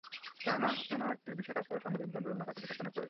কোনো একটি বিষয়ে কাজ করা সাংবাদিকদের জন্য হয়তো অত্যন্ত বিপজ্জনক হয়ে ওঠে।